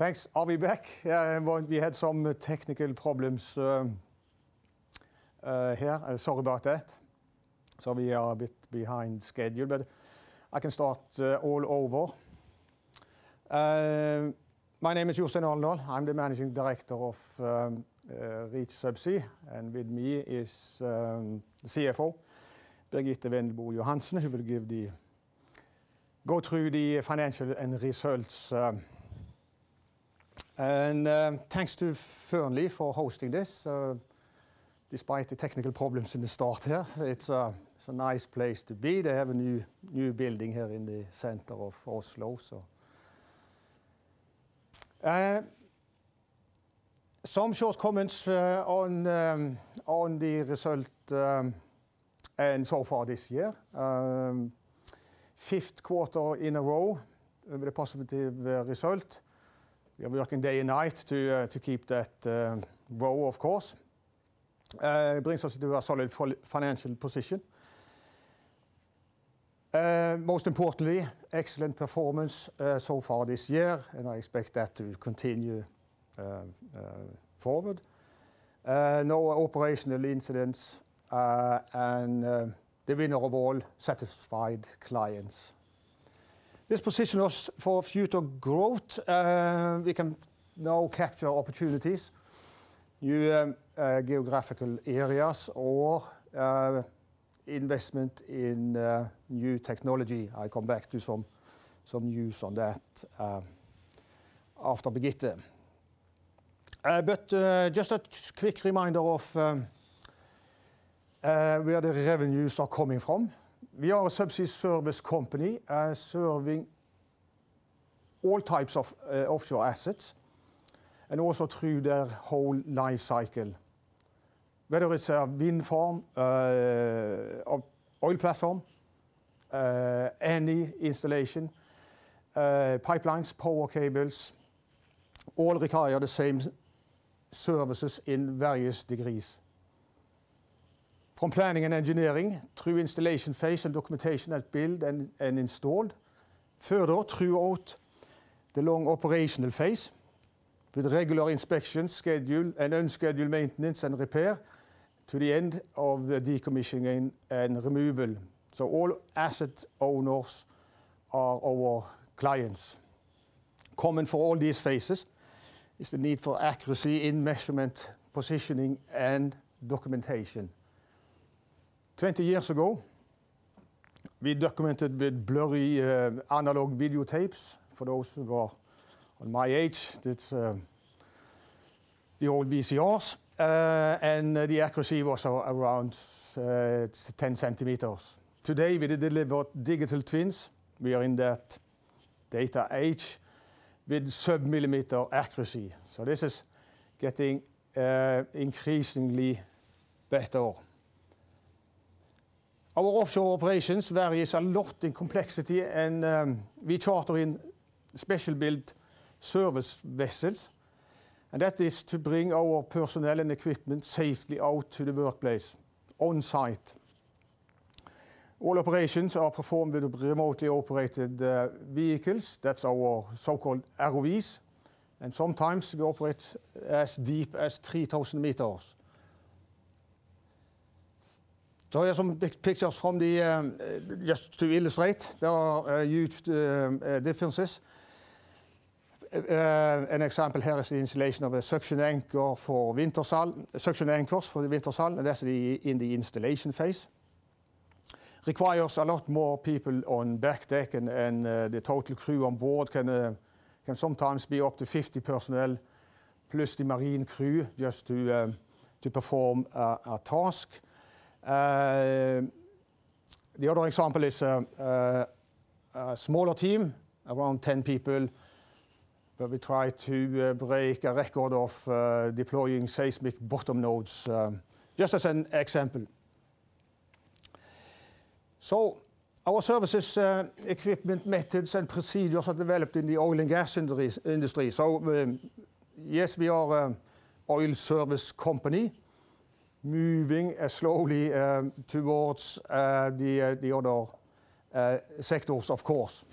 Thanks. Are we back? We had some technical problems here. Sorry about that. We are a bit behind schedule, but I can start all over. My name is Jostein Alendal. I'm the Managing Director of Reach Subsea, and with me is the CFO, Birgitte Wendelbo Johansen, who will go through the financial and results. Thanks to Fearnley for hosting this, despite the technical problems in the start here. It's a nice place to be. They have a new building here in the center of Oslo. Some short comments on the result and so far this year. Fifth quarter in a row with a positive result. We are working day and night to keep that row, of course. It brings us to a solid financial position. Most importantly, excellent performance so far this year, and I expect that to continue forward. No operational incidents, and the winner of all, satisfied clients. This positions us for future growth. We can now capture opportunities, new geographical areas, or investment in new technology. I come back to some news on that after Birgitte. Just a quick reminder of where the revenues are coming from. We are a subsea service company serving all types of offshore assets and also through their whole life cycle. Whether it's a wind farm, oil platform, any installation, pipelines, power cables, all require the same services in various degrees. From planning and engineering through installation phase and documentation as built and installed. Further throughout the long operational phase with regular inspections, scheduled and unscheduled maintenance and repair, to the end of the decommissioning and removal. All asset owners are our clients. Common for all these phases is the need for accuracy in measurement, positioning, and documentation. 20 years ago, we documented with blurry analog video tapes. For those who are my age, it's the old VCRs. The accuracy was around 10 cm. Today, we deliver digital twins. We are in that data age with sub-millimeter accuracy. This is getting increasingly better. Our offshore operations varies a lot in complexity, and we charter in special build service vessels, and that is to bring our personnel and equipment safely out to the workplace on-site. All operations are performed with remotely operated vehicles. That's our so-called ROVs, and sometimes we operate as deep as 3,000 m. Here are some pictures just to illustrate. There are huge differences. An example here is the installation of a suction anchors for the Wintershall, and that's in the installation phase. Requires a lot more people on back deck. The total crew on board can sometimes be up to 50 personnel, plus the marine crew, just to perform a task. The other example is a smaller team, around 10 people, where we try to break a record of deploying seismic bottom nodes, just as an example. Our services, equipment, methods, and procedures are developed in the oil and gas industry. Yes, we are an oil service company moving slowly towards the other sectors, of course.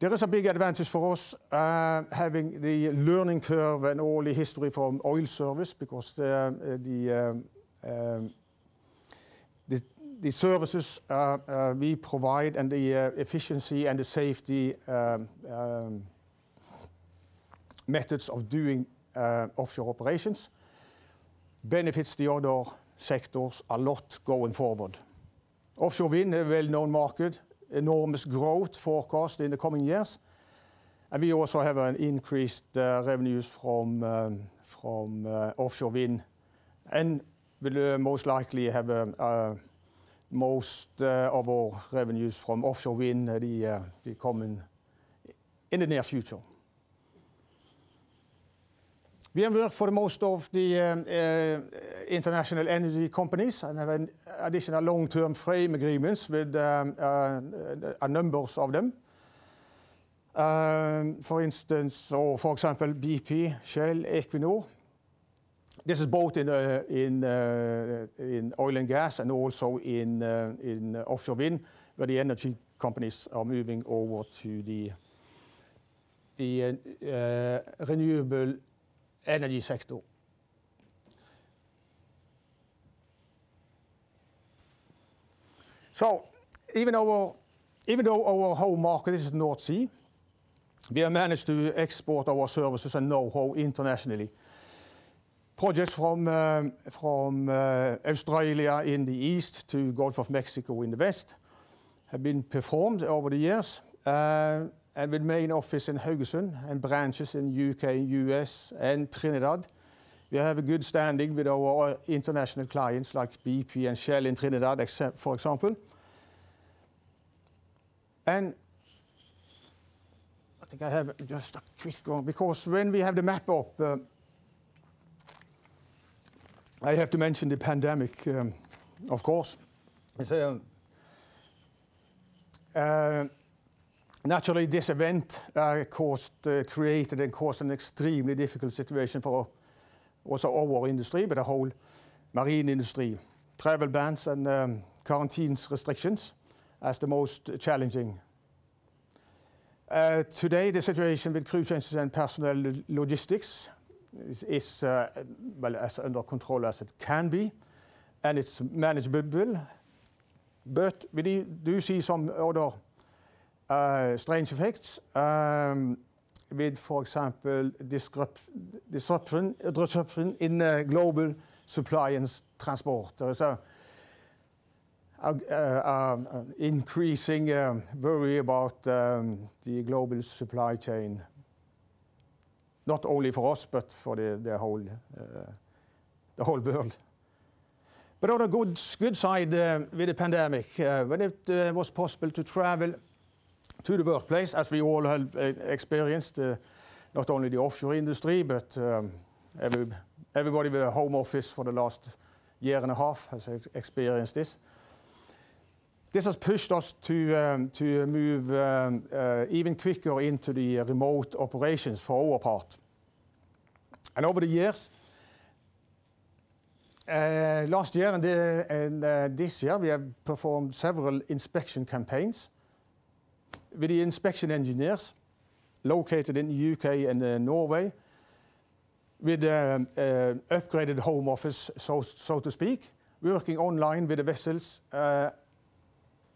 There is a big advantage for us having the learning curve and all the history from oil service because the services we provide and the efficiency and the safety methods of doing offshore operations benefits the other sectors a lot going forward. Offshore wind, a well-known market, enormous growth forecast in the coming years. We also have an increased revenues from offshore wind. We'll most likely have most of our revenues from offshore wind in the near future. We have worked for most of the international energy companies and have additional long-term frame agreements with a number of them. For example, BP, Shell, Equinor. This is both in oil and gas and also in offshore wind, where the energy companies are moving over to the renewable energy sector. Even though our home market is North Sea, we have managed to export our services and know-how internationally. Projects from Australia in the east to Gulf of Mexico in the west have been performed over the years. With main office in Haugesund and branches in U.K., U.S., and Trinidad, we have a good standing with our international clients like BP and Shell in Trinidad, for example. I think I have just a quick one, because when we have the map up, I have to mention the pandemic, of course. Naturally, this event created and caused an extremely difficult situation for also our industry, but the whole marine industry. Travel bans and quarantines restrictions as the most challenging. Today, the situation with crew changes and personnel logistics is as under control as it can be, and it's manageable. We do see some other strange effects, with, for example, disruption in the global supply and transport. There is an increasing worry about the global supply chain, not only for us, but for the whole world. On a good side with the pandemic, when it was possible to travel to the workplace, as we all have experienced, not only the offshore industry, but everybody with a home office for the last year and a half has experienced this. This has pushed us to move even quicker into the remote operations for our part. Over the years, last year and this year, we have performed several inspection campaigns with the inspection engineers located in the U.K. and Norway with upgraded home office, so to speak, working online with the vessels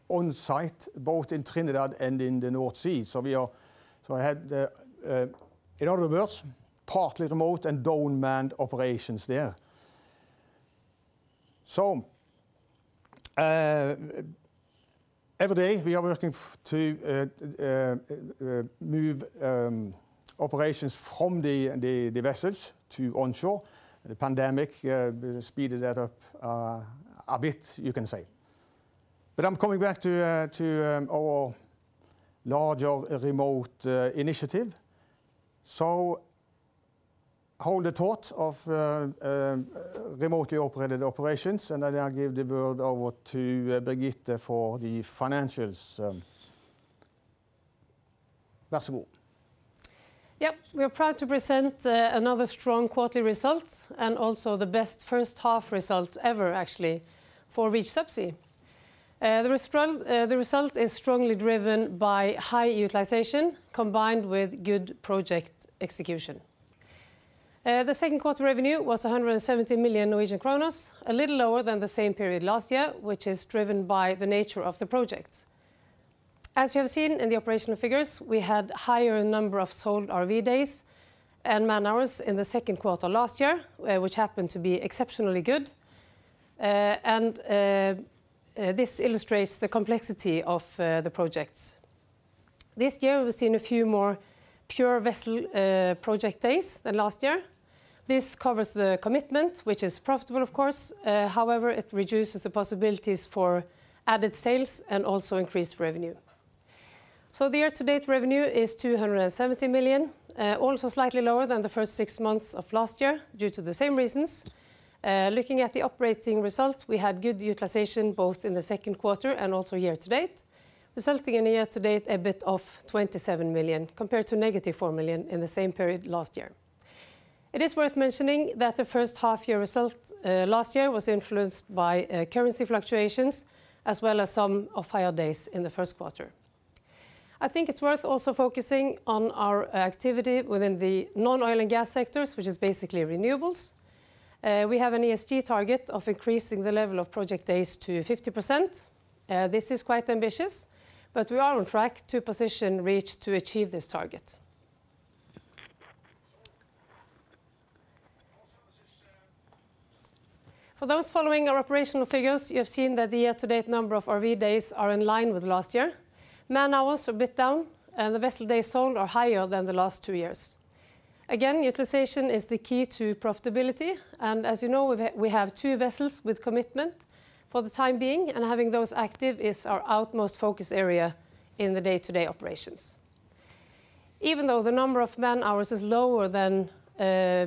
on-site, both in Trinidad and in the North Sea. In other words, partly remote and down-manned operations there. Every day we are working to move operations from the vessels to onshore. The pandemic speeded that up a bit, you can say. I'm coming back to our larger remote initiative. Hold the thought of remotely operated operations, and then I give the word over to Birgitte for the financials. Yep. We are proud to present another strong quarterly result, and also the best first half result ever actually for Reach Subsea. The result is strongly driven by high utilization combined with good project execution. The second quarter revenue was 170 million, a little lower than the same period last year, which is driven by the nature of the projects. As you have seen in the operational figures, we had higher number of sold ROV days and man-hours in the second quarter last year, which happened to be exceptionally good, and this illustrates the complexity of the projects. This year, we've seen a few more pure vessel project days than last year. This covers the commitment, which is profitable, of course. However, it reduces the possibilities for added sales and also increased revenue. The year-to-date revenue is 270 million, also slightly lower than the first six months of last year due to the same reasons. Looking at the operating results, we had good utilization both in the second quarter and also year-to-date, resulting in a year-to-date EBIT of 27 million, compared to -4 million in the same period last year. It is worth mentioning that the first half-year result last year was influenced by currency fluctuations as well as some off-hire days in the first quarter. I think it's worth also focusing on our activity within the non-oil and gas sectors, which is basically renewables. We have an ESG target of increasing the level of project days to 50%. This is quite ambitious, but we are on track to position Reach to achieve this target. For those following our operational figures, you have seen that the year-to-date number of ROV days are in line with last year. Man-hours are a bit down, and the vessel days sold are higher than the last two years. Again, utilization is the key to profitability, and as you know, we have two vessels with commitment for the time being, and having those active is our utmost focus area in the day-to-day operations. Even though the number of man-hours is lower than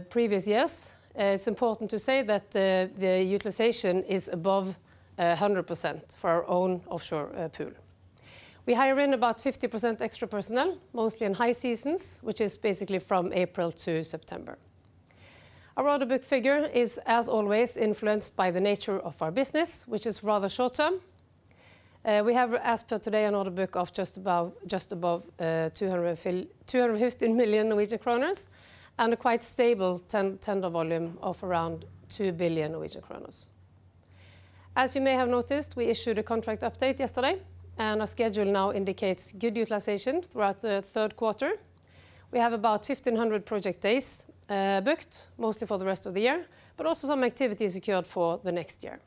previous years, it's important to say that the utilization is above 100% for our own offshore pool. We hire in about 50% extra personnel, mostly in high seasons, which is basically from April to September. Our order book figure is, as always, influenced by the nature of our business, which is rather short-term. We have, as per today, an order book of just above 250 million Norwegian kroner and a quite stable tender volume of around 2 billion Norwegian kroner. As you may have noticed, we issued a contract update yesterday, and our schedule now indicates good utilization throughout the third quarter. We have about 1,500 project days booked, mostly for the rest of the year, but also some activity secured for the next year.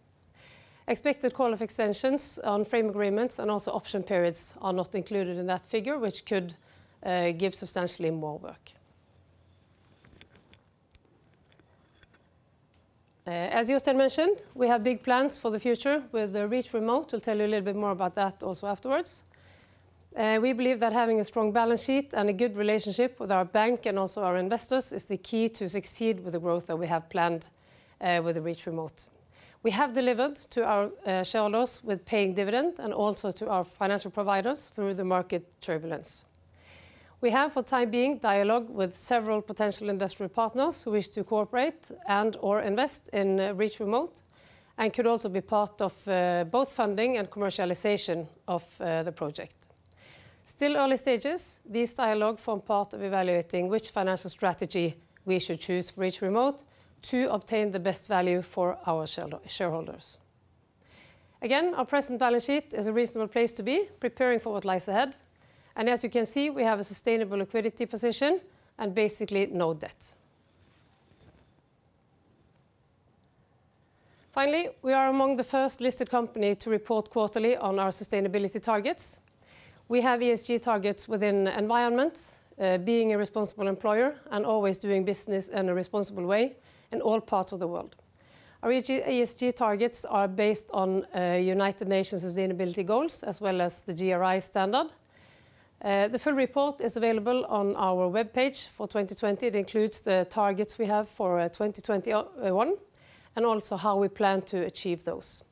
Expected call of extensions on frame agreements and also option periods are not included in that figure, which could give substantially more work. As Jostein mentioned, we have big plans for the future with the Reach Remote. We'll tell you a little bit more about that also afterwards. We believe that having a strong balance sheet and a good relationship with our bank and also our investors is the key to succeed with the growth that we have planned with the Reach Remote. We have delivered to our shareholders with paying dividend and also to our financial providers through the market turbulence. We have, for the time being, dialogue with several potential industrial partners who wish to cooperate and/or invest in Reach Remote, and could also be part of both funding and commercialization of the project. Still early stages. These dialogue form part of evaluating which financial strategy we should choose for Reach Remote to obtain the best value for our shareholders. Again, our present balance sheet is a reasonable place to be preparing for what lies ahead, As you can see, we have a sustainable liquidity position and basically no debt. We are among the first listed company to report quarterly on our sustainability targets. We have ESG targets within environments, being a responsible employer and always doing business in a responsible way in all parts of the world. Our ESG targets are based on United Nations sustainability goals as well as the GRI standard. The full report is available on our webpage for 2020. It includes the targets we have for 2021 and also how we plan to achieve those.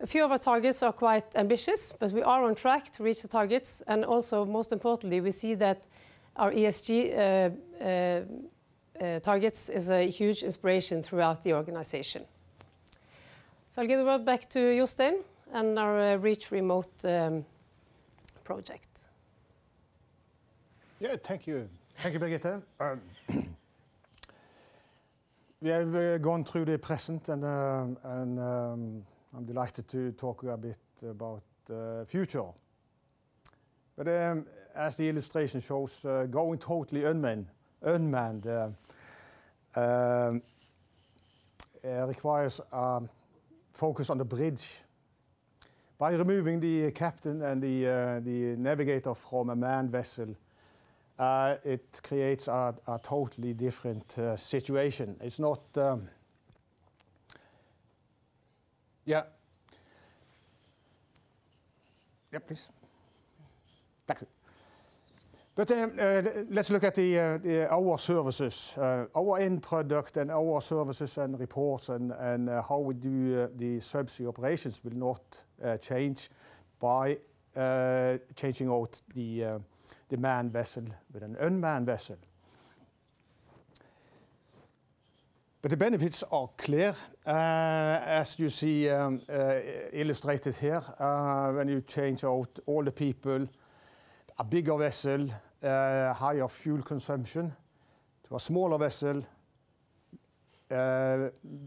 A few of our targets are quite ambitious, we are on track to reach the targets. Most importantly, we see that our ESG targets is a huge inspiration throughout the organization. I'll give it back to Jostein and our Reach Remote project. Yeah. Thank you, Birgitte. We have gone through the present and I'm delighted to talk a bit about the future. As the illustration shows, going totally unmanned requires a focus on the bridge. By removing the captain and the navigator from a manned vessel, it creates a totally different situation. Yeah, please. Thank you. Let's look at our services. Our end product and our services and reports and how we do the subsea operations will not change by changing out the manned vessel with an unmanned vessel. The benefits are clear, as you see illustrated here. When you change out all the people, a bigger vessel, higher fuel consumption to a smaller vessel,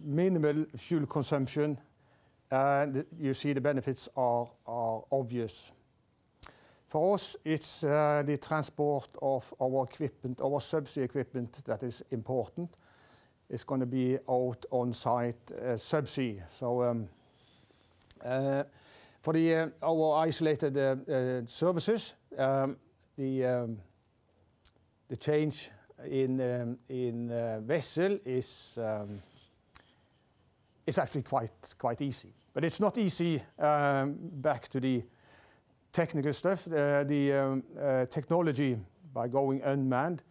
minimal fuel consumption, and you see the benefits are obvious. For us, it's the transport of our subsea equipment that is important. It's going to be out on site subsea. For our isolated services, the change in vessel is actually quite easy. It's not easy back to the technical stuff. The technology by going unmanned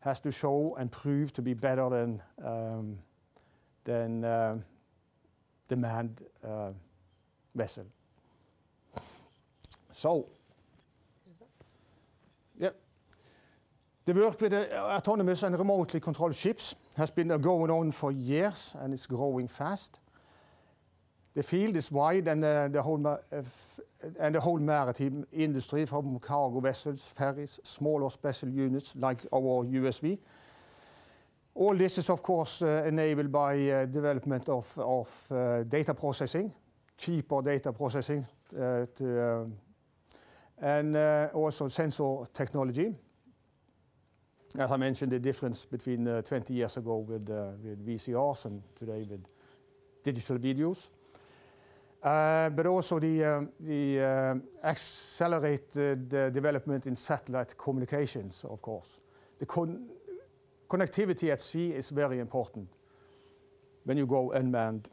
has to show and prove to be better than the manned vessel. Yep. The work with the autonomous and remotely controlled ships has been going on for years and is growing fast. The field is wide and the whole maritime industry, from cargo vessels, ferries, small or special units like our USV, all this is, of course, enabled by development of cheaper data processing, and also sensor technology. As I mentioned, the difference between 20 years ago with VCRs and today with digital videos, but also the accelerated development in satellite communications, of course. The connectivity at sea is very important when you go unmanned.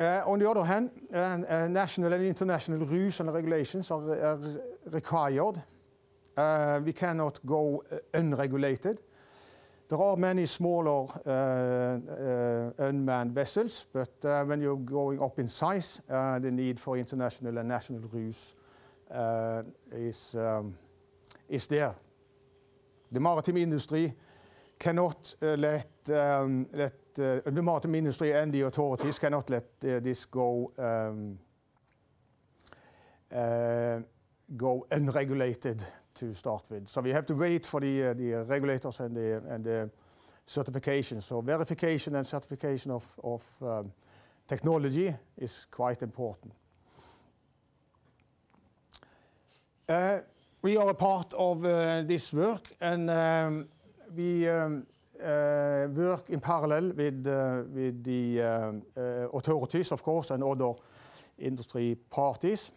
On the other hand, national and international rules and regulations are required. We cannot go unregulated. There are many smaller unmanned vessels, but when you're going up in size, the need for international and national rules is there. The maritime industry and the authorities cannot let this go unregulated to start with. We have to wait for the regulators and the certifications. Verification and certification of technology is quite important. We are a part of this work, and we work in parallel with the authorities, of course, and other industry parties.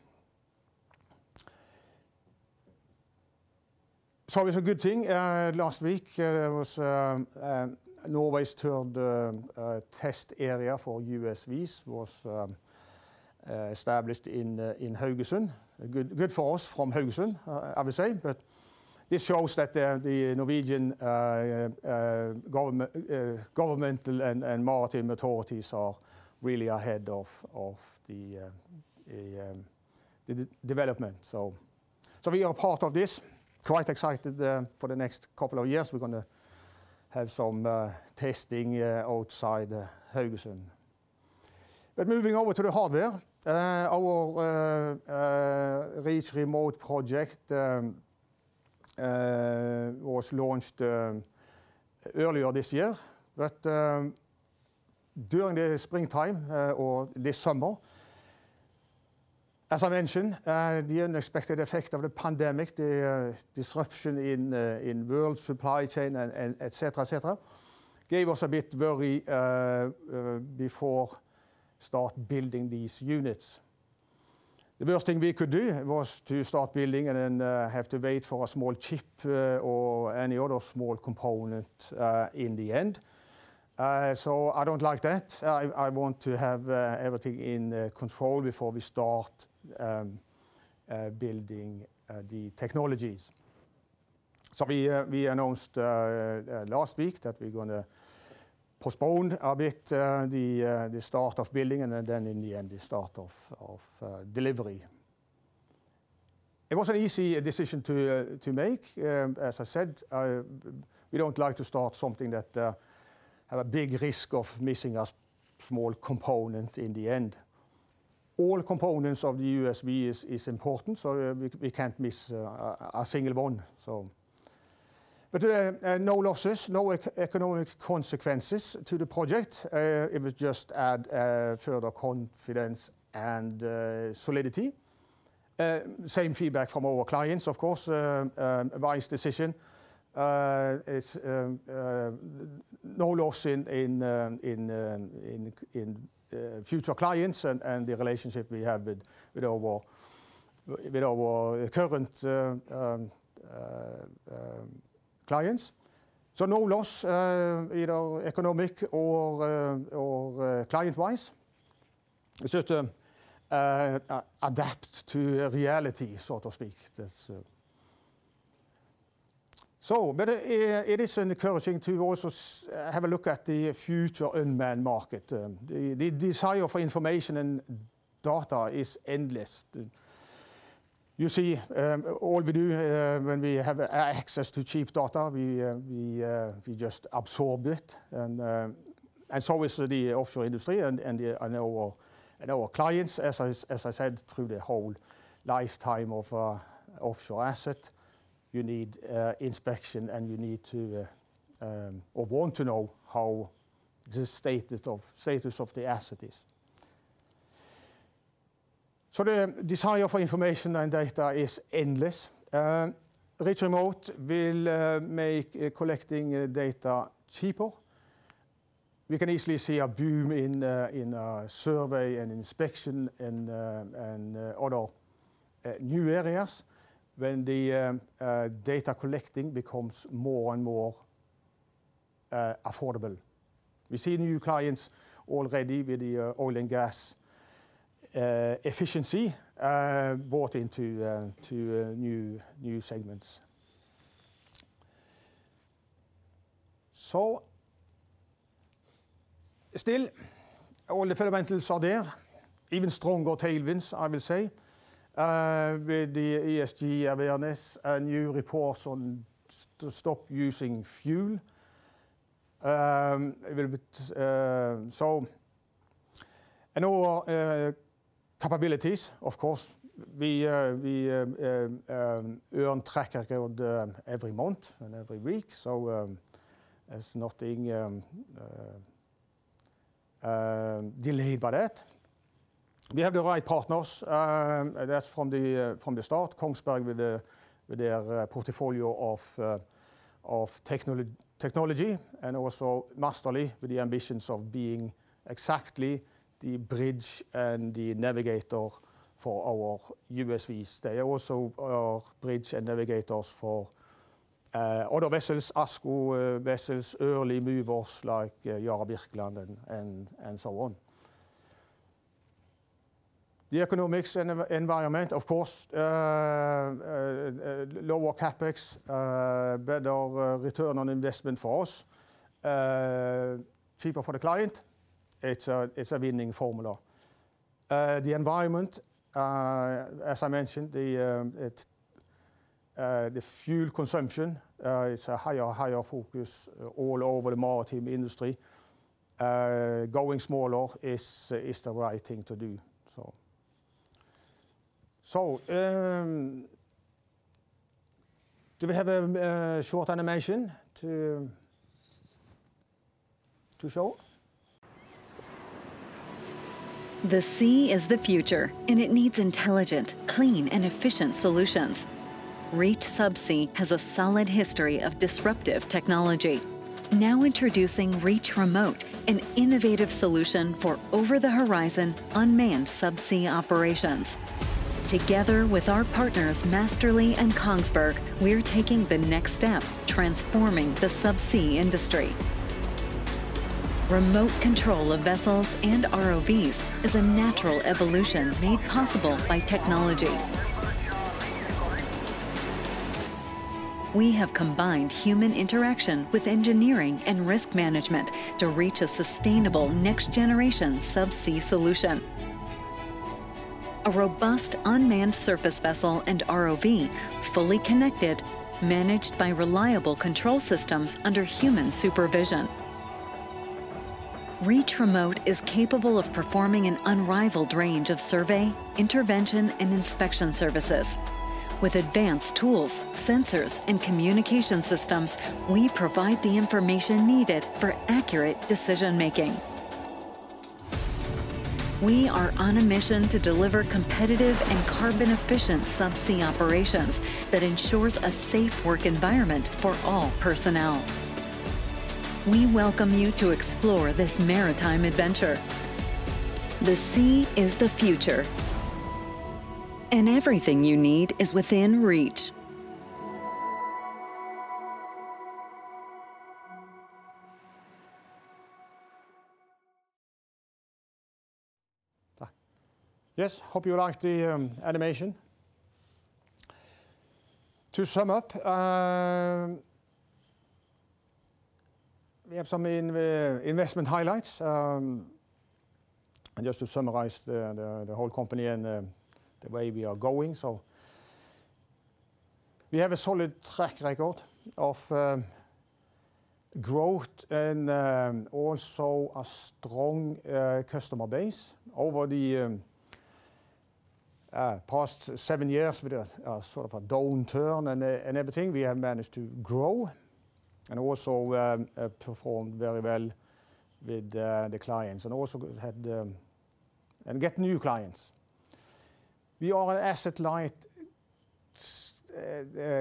It's a good thing. Last week, Norway's third test area for USVs was established in Haugesund. Good for us from Haugesund, I would say, this shows that the Norwegian governmental and maritime authorities are really ahead of the development. We are part of this. Quite excited for the next couple of years. We're going to have some testing outside Haugesund. Moving over to the hardware. Our Reach Remote project was launched earlier this year, during the springtime or this summer, as I mentioned, the unexpected effect of the pandemic, the disruption in world supply chain, et cetera, gave us a bit worry before start building these units. The worst thing we could do was to start building and then have to wait for a small chip or any other small component in the end. I don't like that. I want to have everything in control before we start building the technologies. We announced last week that we're going to postpone a bit the start of building and then in the end, the start of delivery. It was an easy decision to make. As I said, we don't like to start something that have a big risk of missing a small component in the end. All components of the USV is important, so we can't miss a single one. No losses, no economic consequences to the project. It was just add further confidence and solidity. Same feedback from our clients, of course. A wise decision. It's no loss in future clients and the relationship we have with our current clients. No loss either economic or client-wise. It's just adapt to reality, so to speak. It is encouraging to also have a look at the future unmanned market. The desire for information and data is endless. You see all we do when we have access to cheap data, we just absorb it, and so is the offshore industry and our clients, as I said, through the whole lifetime of offshore asset, you need inspection and you need to or want to know how the status of the asset is. The desire for information and data is endless. Reach Remote will make collecting data cheaper. We can easily see a boom in survey and inspection in other new areas when the data collecting becomes more and more affordable. We see new clients already with the oil and gas efficiency bought into new segments. Still, all the fundamentals are there, even stronger tailwinds, I will say, with the ESG awareness and new reports on stop using fuel. Our capabilities, of course, we are on track every month and every week, so there's nothing delayed by that. We have the right partners. That's from the start, Kongsberg with their portfolio of technology, and also Massterly with the ambitions of being exactly the bridge and the navigator for our USVs. They are also our bridge and navigators for other vessels, ASKO vessels, early movers like Yara Birkeland and so on. The economics environment, of course, lower CapEx, better return on investment for us, cheaper for the client. It's a winning formula. The environment, as I mentioned, the fuel consumption is a higher focus all over the maritime industry. Going smaller is the right thing to do. Do we have a short animation to show us? The sea is the future, and it needs intelligent, clean, and efficient solutions. Reach Subsea has a solid history of disruptive technology. Now introducing Reach Remote, an innovative solution for over-the-horizon unmanned subsea operations. Together with our partners, Massterly and Kongsberg, we're taking the next step, transforming the subsea industry. Remote control of vessels and ROVs is a natural evolution made possible by technology. We have combined human interaction with engineering and risk management to reach a sustainable next-generation subsea solution. A robust unmanned surface vessel and ROV, fully connected, managed by reliable control systems under human supervision. Reach Remote is capable of performing an unrivaled range of survey, intervention, and inspection services. With advanced tools, sensors, and communication systems, we provide the information needed for accurate decision-making. We are on a mission to deliver competitive and carbon-efficient subsea operations that ensures a safe work environment for all personnel. We welcome you to explore this maritime adventure. The sea is the future, and everything you need is within reach. Yes, hope you liked the animation. To sum up, we have some investment highlights, and just to summarize the whole company and the way we are going. We have a solid track record of growth and also a strong customer base. Over the past seven years, with a downturn and everything, we have managed to grow and also performed very well with the clients, and also get new clients. We are an asset-light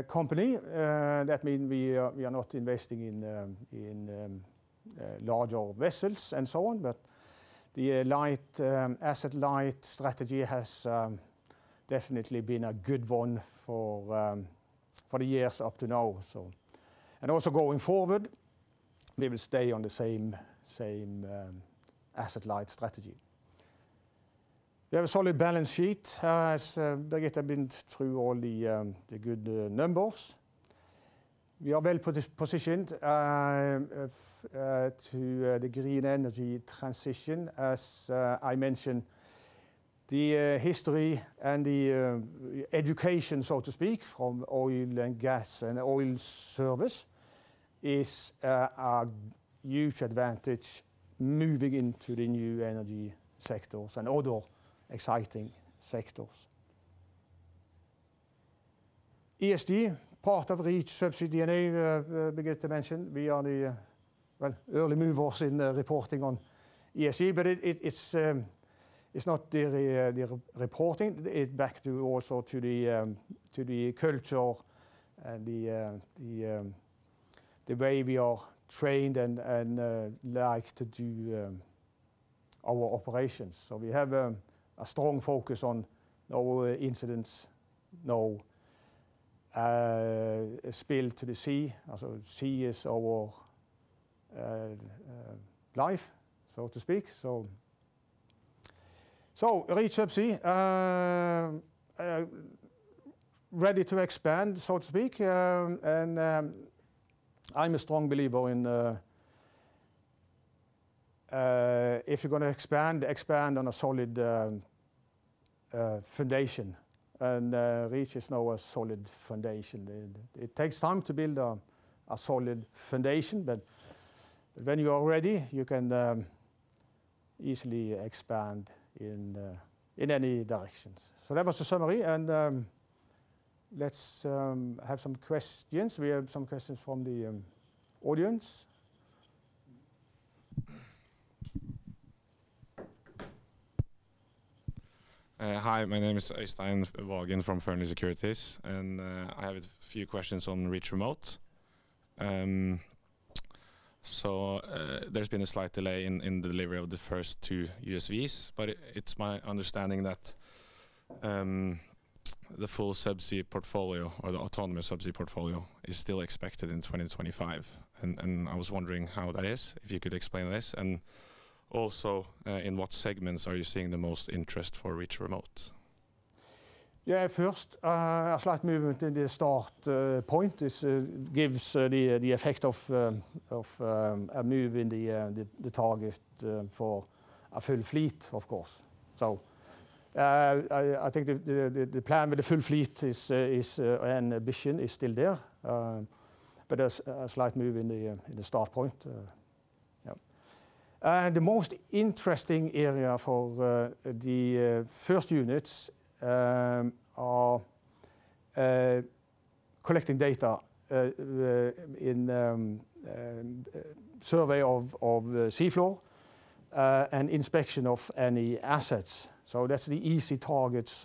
company. That means we are not investing in larger vessels and so on. The asset-light strategy has definitely been a good one for the years up to now. Also going forward, we will stay on the same asset-light strategy. We have a solid balance sheet, as Birgitte have been through all the good numbers. We are well-positioned to the green energy transition. As I mentioned, the history and the education, so to speak, from oil and gas and oil service is a huge advantage moving into the new energy sectors and other exciting sectors. ESG, part of Reach Subsea DNA, Birgitte mentioned. We are the early movers in the reporting on ESG, it's not the reporting. It's back also to the culture and the way we are trained and like to do our operations. We have a strong focus on no incidents, no spill to the sea, as the sea is our life, so to speak. Reach Subsea, ready to expand, so to speak, and I'm a strong believer in if you're going to expand on a solid foundation, and Reach is now a solid foundation. It takes time to build a solid foundation, when you are ready, you can easily expand in any directions. That was the summary, and let's have some questions. We have some questions from the audience. Hi, my name is Øystein Vaagen from Fearnley Securities, and I have a few questions on Reach Remote. There's been a slight delay in the delivery of the first two USVs, but it's my understanding that the full subsea portfolio or the autonomous subsea portfolio is still expected in 2025. I was wondering how that is, if you could explain this, and also in what segments are you seeing the most interest for Reach Remote? Yeah. First, a slight movement in the start point gives the effect of a move in the target for a full fleet, of course. I think the plan with the full fleet and ambition is still there, but there's a slight move in the start point. Yeah. The most interesting area for the first units are collecting data in survey of the sea floor, and inspection of any assets. That's the easy targets,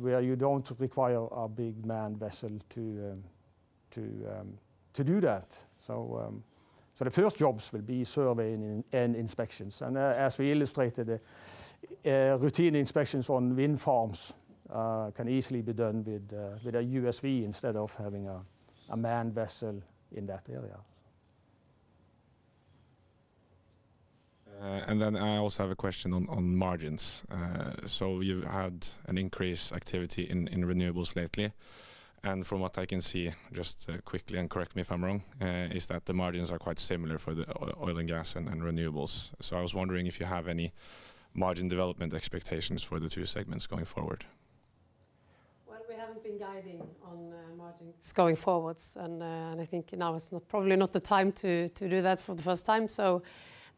where you don't require a big manned vessel to do that. The first jobs will be surveying and inspections. As we illustrated, routine inspections on wind farms can easily be done with a USV instead of having a manned vessel in that area. I also have a question on margins. You've had an increased activity in renewables lately, and from what I can see, just quickly, and correct me if I'm wrong, is that the margins are quite similar for the oil and gas and renewables. I was wondering if you have any margin development expectations for the two segments going forward. We haven't been guiding on margins going forwards, and I think now is probably not the time to do that for the first time.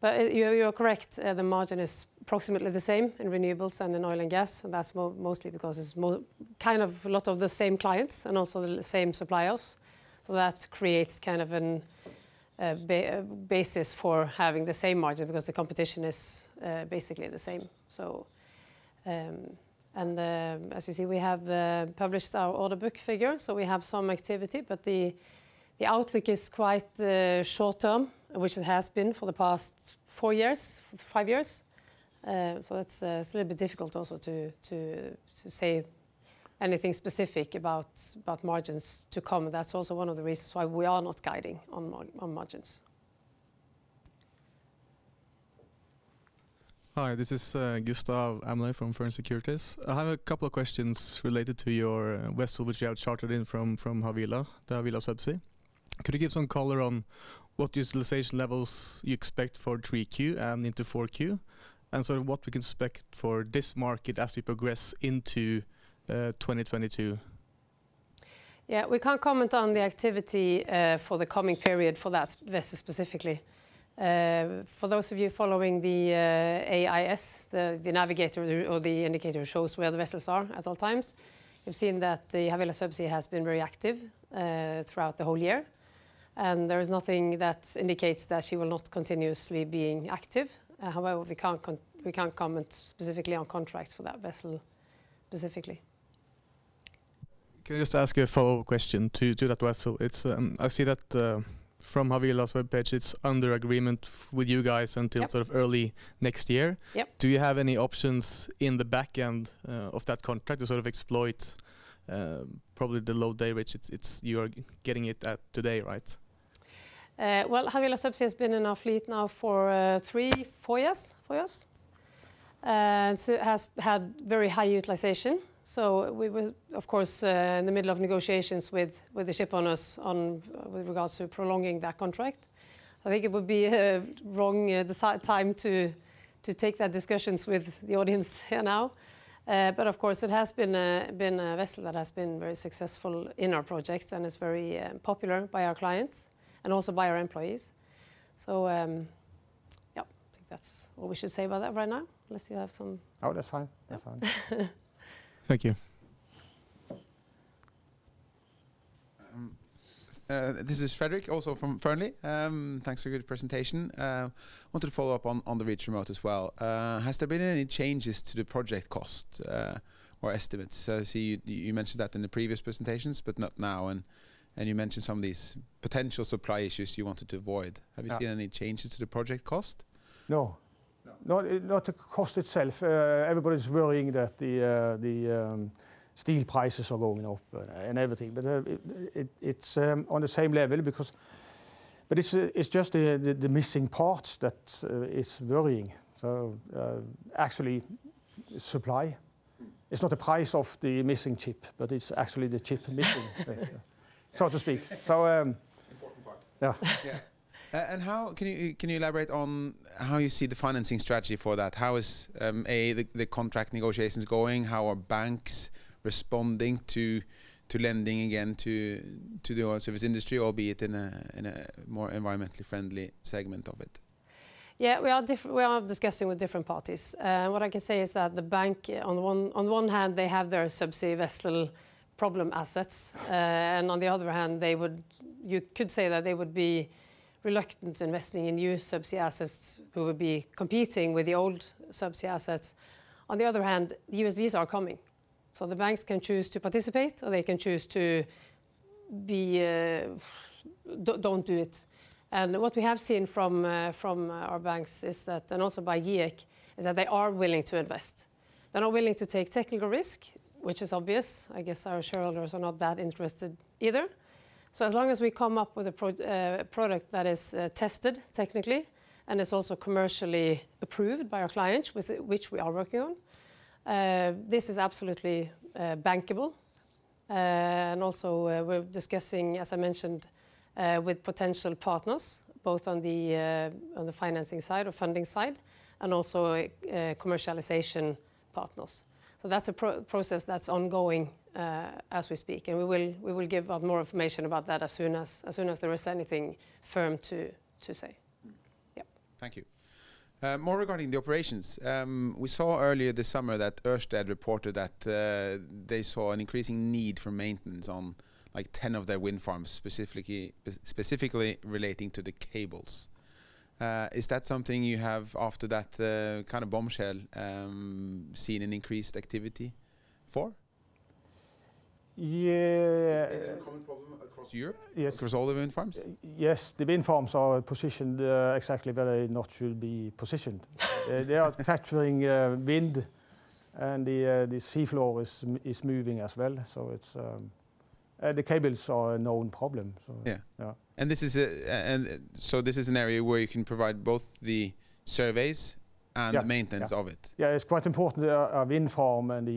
You are correct, the margin is approximately the same in renewables and in oil and gas, and that's mostly because it's kind of a lot of the same clients and also the same suppliers. That creates kind of a basis for having the same margin because the competition is basically the same. As you see, we have published our order book figure, so we have some activity, but the outlook is quite short-term, which it has been for the past four years, five years. It's a little bit difficult also to say anything specific about margins to come, and that's also one of the reasons why we are not guiding on margins. Hi, this is Gustaf Amlé from Fearnley Securities. I have a couple of questions related to your vessel, which you have chartered in from Havila Subsea. Could you give some color on what utilization levels you expect for 3Q and into 4Q, and sort of what we can expect for this market as we progress into 2022? Yeah. We can't comment on the activity for the coming period for that vessel specifically. For those of you following the AIS, the navigator or the indicator shows where the vessels are at all times. You've seen that the Havila Subsea has been very active throughout the whole year, and there is nothing that indicates that she will not continuously being active. However, we can't comment specifically on contracts for that vessel specifically. Can I just ask a follow-up question to that vessel? I see that from Havila's webpage, it's under agreement with you guys until sort of early next year. Yep. Do you have any options in the back end of that contract to sort of exploit probably the low day which you are getting it at today, right? Well, Havila Subsea has been in our fleet now for three, four years. It has had very high utilization. We were, of course, in the middle of negotiations with the ship owners with regards to prolonging that contract. I think it would be a wrong time to take that discussion with the audience here now. Of course, it has been a vessel that has been very successful in our projects and is very popular by our clients and also by our employees. Yep. I think that's all we should say about that right now, unless you have some No, that's fine. Yeah. Thank you. This is Fredrik, also from Fearnley. Thanks for a good presentation. Wanted to follow up on the Reach Remote as well. Has there been any changes to the project cost or estimates? I see you mentioned that in the previous presentations, but not now, and you mentioned some of these potential supply issues you wanted to avoid. Yeah. Have you seen any changes to the project cost? No. Not the cost itself. Everybody's worrying that the steel prices are going up and everything, it's on the same level. It's just the missing parts that is worrying. Actually supply. It's not the price of the missing chip, but it's actually the chip missing, so to speak. Important part. Yeah. Yeah. Can you elaborate on how you see the financing strategy for that? How is, A, the contract negotiations going? How are banks responding to lending again to the oil service industry, albeit in a more environmentally friendly segment of it? Yeah, we are discussing with different parties. What I can say is that the bank on one hand, they have their subsea vessel problem assets. On the other hand, you could say that they would be reluctant investing in new subsea assets who would be competing with the old subsea assets. On the other hand, the USVs are coming. The banks can choose to participate, or they can choose to not do it. What we have seen from our banks, and also by GIEK, is that they are willing to invest. They're not willing to take technical risk, which is obvious. I guess our shareholders are not that interested either. As long as we come up with a product that is tested technically and is also commercially approved by our clients, which we are working on, this is absolutely bankable. Also, we're discussing, as I mentioned, with potential partners, both on the financing side or funding side, and also commercialization partners. That's a process that's ongoing as we speak, and we will give out more information about that as soon as there is anything firm to say. Yep. Thank you. More regarding the operations. We saw earlier this summer that Ørsted reported that they saw an increasing need for maintenance on 10 of their wind farms, specifically relating to the cables. Is that something you have, after that bombshell, seen an increased activity for? Yeah. Is it a common problem across Europe? Yes. Across all the wind farms? Yes. The wind farms are positioned exactly where they not should be positioned. They are capturing wind, and the sea floor is moving as well. The cables are a known problem. Yeah. Yeah. This is an area where you can provide both the surveys and. Yeah ...the maintenance of it. Yeah. It's quite important, a wind farm and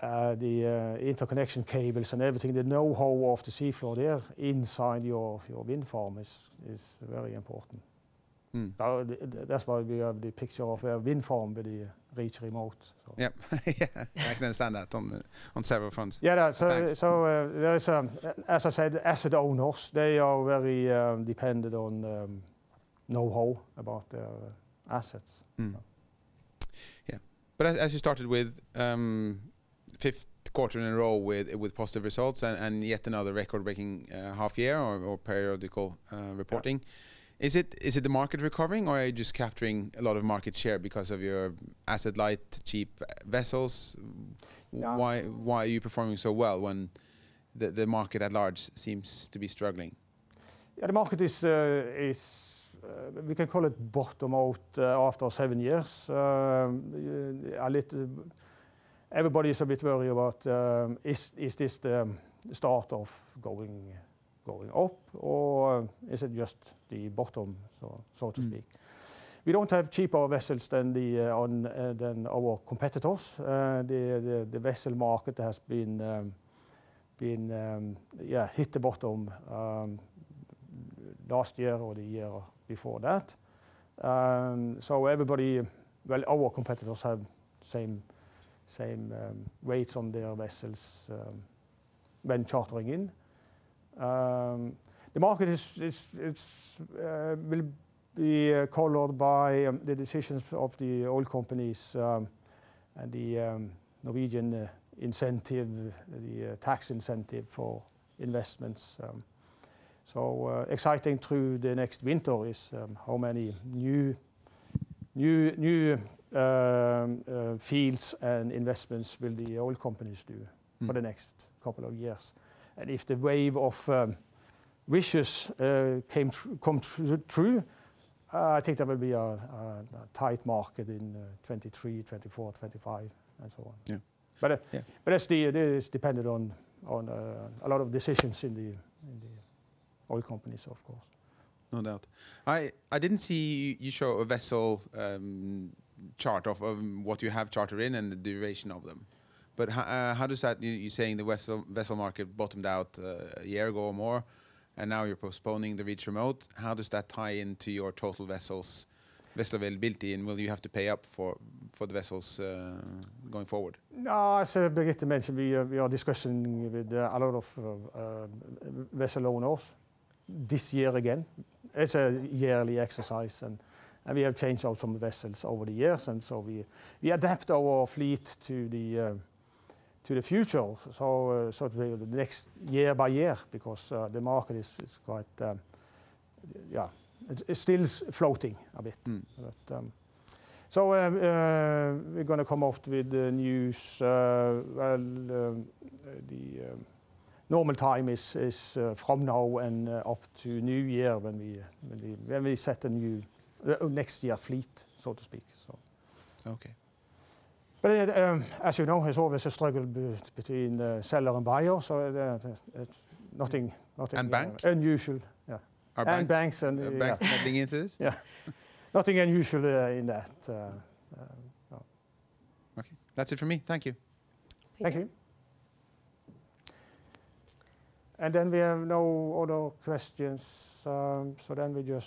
the interconnection cables and everything, the knowhow of the sea floor there inside your wind farm is very important. That's why we have the picture of a wind farm with the Reach Remote. Yep. Yeah. I can understand that on several fronts. Yeah. Thanks. As I said, asset owners, they are very dependent on knowhow about their assets. Yeah. As you started with, fifth quarter in a row with positive results and yet another record-breaking half year or periodical reporting. Yeah. Is it the market recovering, or are you just capturing a lot of market share because of your asset light, cheap vessels? Yeah. Why are you performing so well when the market at large seems to be struggling? Yeah, the market is, we can call it bottom out after seven years. Everybody's a bit worried about is this the start of going up, or is it just the bottom, so to speak? We don't have cheaper vessels than our competitors. The vessel market has hit the bottom last year or the year before that. Everybody, well, our competitors have same rates on their vessels when chartering in. The market will be colored by the decisions of the oil companies and the Norwegian incentive, the tax incentive for investments. Exciting through the next winter is how many new fields and investments will the oil companies do for the next couple of years. If the wave of wishes come true, I think there will be a tight market in 2023, 2024, 2025, and so on. Yeah. As it is, it's dependent on a lot of decisions in the oil companies, of course. No doubt. I didn't see you show a vessel chart of what you have charter in and the duration of them. You're saying the vessel market bottomed out a year ago or more, and now you're postponing the Reach Remote. How does that tie into your total vessels availability, and will you have to pay up for the vessels going forward? As Birgitte mentioned, we are discussing with a lot of vessel owners this year again. It's a yearly exercise, and we have changed out some vessels over the years. We adapt our fleet to the future, so year by year, because the market is still floating a bit. We're going to come out with the news. Well, the normal time is from now and up to New Year when we set the next year fleet, so to speak. Okay. As you know, it's always a struggle between the seller and buyer, nothing unusual. Yeah. ...bank. And banks and- Are banks heading into this? Yeah. Nothing unusual in that. Okay. That's it for me. Thank you. Thank you. Thank you. Then we have no other questions, so then we just.